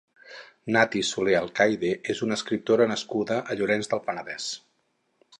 Nati Soler Alcaide és una escriptora nascuda a Llorenç del Penedès.